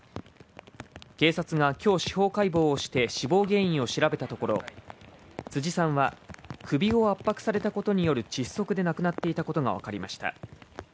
警察が今日司法解剖をして死亡原因を調べたところ、辻さんは首を圧迫されたことによる窒息で亡くなっていたことがわかりました。